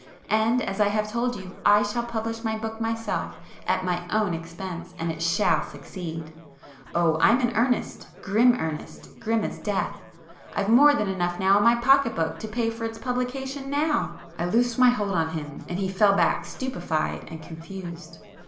And as I have told you, I shall publish my book myself at my own expense, and it shall succeed! Oh I'm in earnest, grim earnest, grim as death!—I've more than enough in my pocketbook to pay for its publication now!" I loosed my hold of him, and he fell back stupefied and confused.